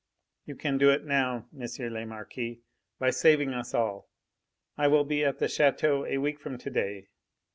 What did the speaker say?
You can do it now, M. le Marquis, by saving us all. I will be at the chateau a week from to day.